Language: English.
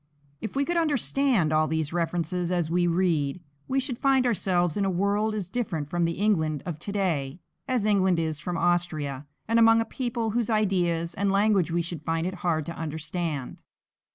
If we could understand all these references as we read, we should find ourselves in a world as different from the England of to day as England is from Austria, and among a people whose ideas and language we should find it hard to understand.